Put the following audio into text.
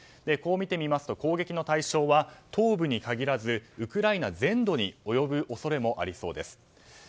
こう見てみますと、攻撃の対象は東部に限らずウクライナ全土に及ぶ恐れもありそうです。